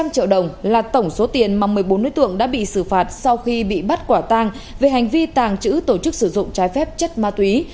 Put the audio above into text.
một trăm linh triệu đồng là tổng số tiền mà một mươi bốn đối tượng đã bị xử phạt sau khi bị bắt quả tang về hành vi tàng trữ tổ chức sử dụng trái phép chất ma túy